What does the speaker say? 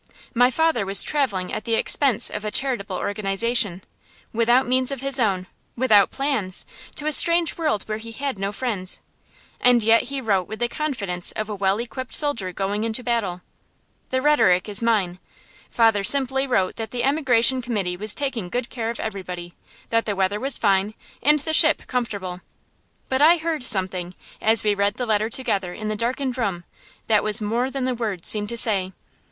My father was travelling at the expense of a charitable organization, without means of his own, without plans, to a strange world where he had no friends; and yet he wrote with the confidence of a well equipped soldier going into battle. The rhetoric is mine. Father simply wrote that the emigration committee was taking good care of everybody, that the weather was fine, and the ship comfortable. But I heard something, as we read the letter together in the darkened room, that was more than the words seemed to say.